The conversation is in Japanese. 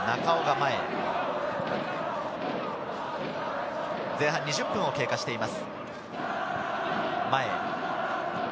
前半２０分を経過しています。